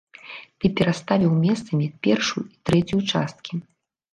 Ты пераставіў месцамі першую і трэцюю часткі.